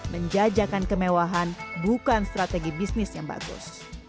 menjajakan kemewahan bukan strategi bisnis yang bagus